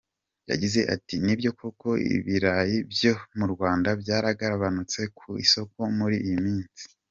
Yagize ati “Nibyo koko ibirayi byo mu Rwanda byaragabanutse ku isoko muri iyi minsi.